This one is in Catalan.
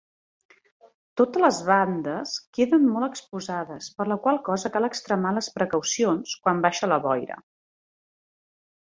Totes les bandes queden molt exposades, per la qual cosa cal extremar les precaucions quan baixa la boira.